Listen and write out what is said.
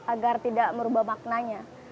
agar tidak merubah maknanya